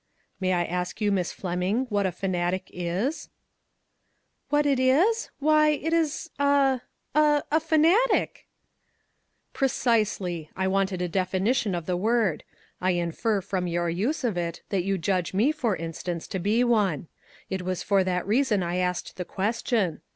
"May I ask you, Miss Fleming, what a fanatic is ?"" What it is ? Why, it is — a — a fana tic !"" Precisely. I wanted a definition of the word. I infer, from your use of it, that LOGIC. Ill you judge me, for instance, to be one. It was for that reason I asked the question.